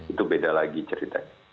itu beda lagi ceritanya